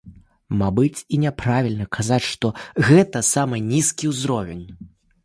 Мабыць, і няправільна казаць, што гэта самы нізкі ўзровень.